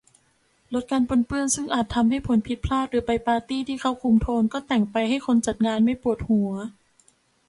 ลดการปนเปื้อนซึ่งอาจทำให้ผลผิดพลาด หรือไปปาร์ตี้ที่เขาคุมโทน ก็แต่งไปให้คนจัดงานไม่ปวดหัว